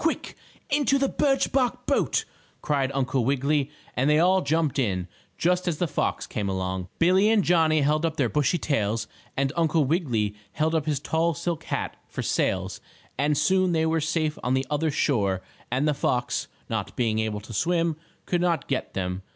"Quick! Into the birch bark boat!" cried Uncle Wiggily, and they all jumped in, just as the fox came along. Billie and Johnnie held up their bushy tails, and Uncle Wiggily held up his tall silk hat for sails, and soon they were safe on the other shore and the fox, not being able to swim, could not get them.